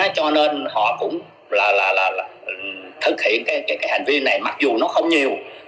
cho nên họ cũng là thực hiện cái hành vi này mặc dù nó không nhiều